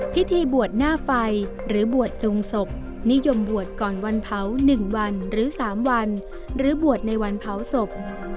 พิธีบวชหน้าไฟหรือบวชจงศพนิยมบวชก่อนวันเผา๑วันหรือ๓วันหรือบวชในวันเผาศพ